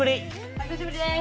お久しぶりです！